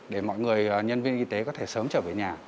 để mọi người nhân viên y tế có thể sớm trở về nhà